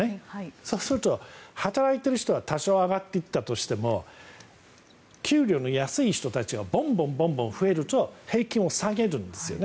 そうすると、働いてる人は多少、上がっていったとしても給料の安い人たちがぼんぼん増えると平均を下げるんですよね。